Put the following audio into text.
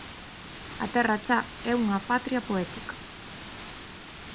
A Terra Cha é unha patria poética.